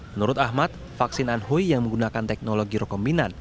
menurut ahmad vaksin anhui yang menggunakan teknologi rekombinan